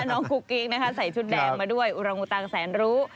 น้องกุ๊กกิ๊กใส่ชุดแดบมาด้วยอุระวุตังแสนรู้